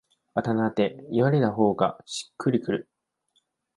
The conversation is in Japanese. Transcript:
あだ名で言われた方がしっくりくる